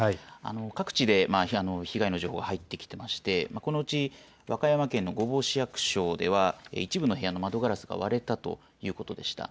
各地で被害の情報が入ってきていましてこのうち和歌山県の御坊市役所では一部の部屋の窓ガラスが割れたということでした。